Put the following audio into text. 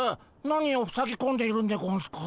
何をふさぎこんでいるんでゴンスか？